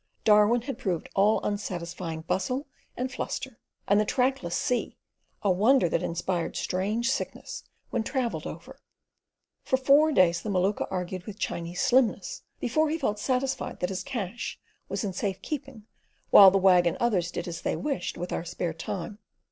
Darwin had proved all unsatisfying bustle and fluster, and the trackless sea, a wonder that inspired strange sickness when travelled over. For four days the Maluka argued with Chinese slimness before he felt satisfied that his cash was in safe keeping while the Wag and others did as they wished with our spare time.